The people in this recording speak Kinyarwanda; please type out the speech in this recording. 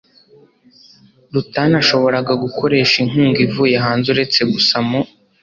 rutanashoboraga gukoresha inkunga ivuye hanze uretse gusa mu